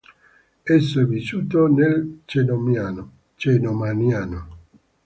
Esso è vissuto nel cenomaniano.